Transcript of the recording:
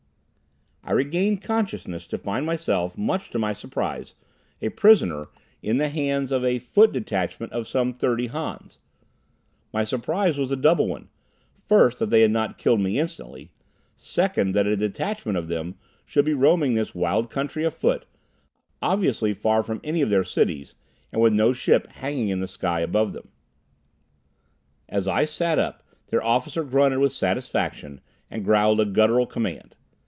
I regained consciousness to find myself, much to my surprise, a prisoner in the hands of a foot detachment of some thirty Hans. My surprise was a double one; first that they had not killed me instantly; second, that a detachment of them should be roaming this wild country afoot, obviously far from any of their cities, and with no ship hanging in the sky above them. As I sat up, their officer grunted with satisfaction and growled a guttural command.